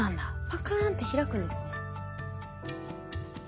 パカーンって開くんですね。